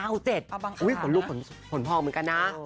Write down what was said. อุ้ยขนลูกขนพ่อเหมือนกันนะ